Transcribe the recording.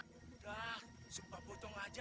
sudah sumpah potong saja